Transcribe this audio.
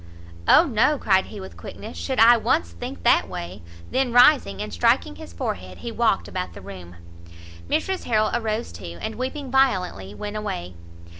"O no!" cried he with quickness, "should I once think that way " then rising and striking his forehead, he walked about the room. Mrs Harrel arose too, and weeping violently went away.